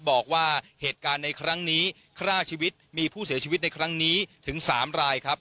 บอกว่าเหตุการณ์ในครั้งนี้ฆ่าชีวิตมีผู้เสียชีวิตในครั้งนี้ถึง๓รายครับ